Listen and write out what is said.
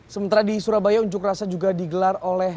sementara di surabaya unjuk rasa juga digelar oleh